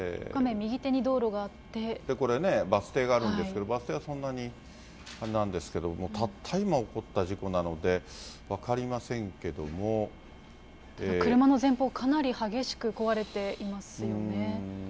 これね、バス停があるんですけれども、バス停はそんなに、あれなんですけど、たった今、起こった事故なので、車の前方、かなり激しく壊れていますよね。